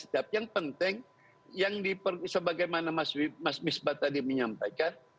tapi yang penting yang sebagaimana mas misbah tadi menyampaikan